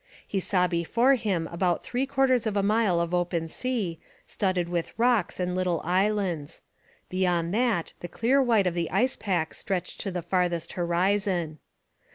He saw before him about three quarters of a mile of open sea, studded with rocks and little islands: beyond that the clear white of the ice pack stretched to the farthest horizon.